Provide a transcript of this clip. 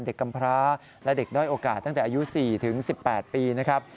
กำพร้าและเด็กด้อยโอกาสตั้งแต่อายุ๔๑๘ปีนะครับ